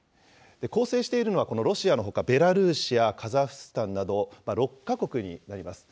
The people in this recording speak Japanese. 構成しているのはこのロシアのほかベラルーシやカザフスタンなど、６か国になります。